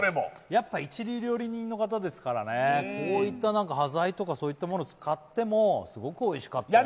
やっぱ一流料理人の方ですから、こういった端材とかを使ってもすごくおいしかったよね。